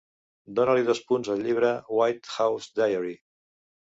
Dóna-li dos punts al llibre White House Diary